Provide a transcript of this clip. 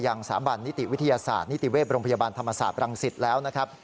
สาบันนิติวิทยาศาสตร์นิติเวศโรงพยาบาลธรรมศาสตร์รังสิตแล้วนะครับ